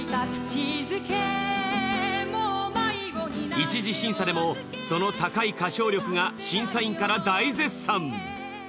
一次審査でもその高い歌唱力が審査員から大絶賛。